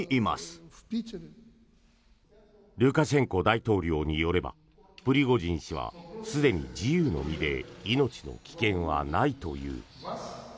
ルカシェンコ大統領によればプリゴジン氏はすでに自由の身で命の危険はないという。